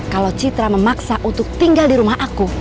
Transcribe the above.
kalau citra memaksa untuk tinggal di rumah aku